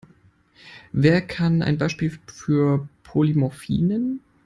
Wer kann ein Beispiel für Polymorphie nennen?